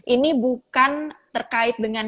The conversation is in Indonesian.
ini bukan terkait dengan